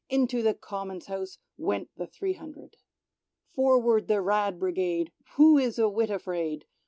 Into the Common's House went the three hundred. Forward the " Rad." Brigade ! Who is a whit afraid